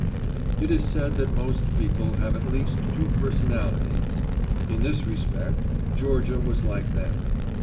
It is said that most people have at least two personalities. In this respect Georgia was like them.